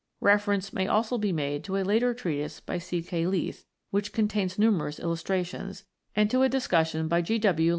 Reference may also be made to a later treatise by C. K. Leith(48), which contains numerous illustrations, and to a discussion by G. W.